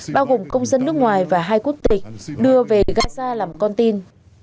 bao gồm công dân nước ngoài và hai quốc tịch đưa về gaza làm con tin